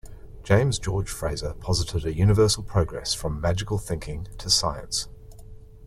James George Frazer posited a universal progress from magical thinking to science.